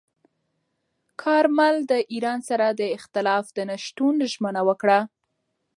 کارمل د ایران سره د اختلاف د نه شتون ژمنه وکړه.